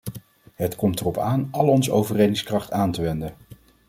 Het komt erop aan al onze overredingskracht aan te wenden.